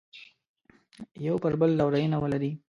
یو پر بل لورینه ولري.